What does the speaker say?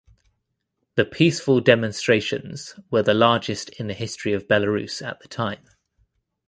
The peaceful demonstrations were the largest in the history of Belarus at the time.